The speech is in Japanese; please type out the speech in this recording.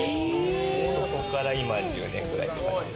そこから今１０年くらい。